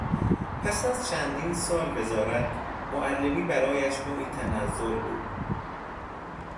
پس از چندین سال وزارت، معلمی برایش نوعی تنزل بود.